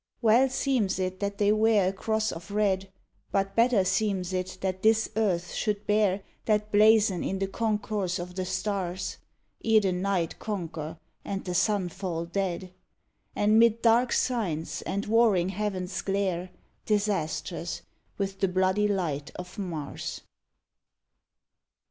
Well seems it that they wear a cross of red, But better seems it that this earth should bear That blazon in the concourse of the stars, (Ere the Night conquer and the sun fall dead) And mid dark Signs and warring heavens glare, Disastrous, with the bloody light of Mars.